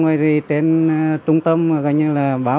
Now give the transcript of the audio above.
đã tích cực tham gia hiến máu